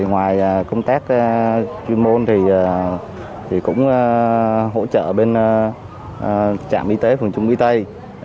ngoài công tác chuyên môn thì cũng hỗ trợ bên trạm y tế phường trung y tây